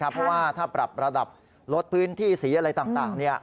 เพราะว่าถ้าปรับระดับลดพื้นที่สีอะไรต่าง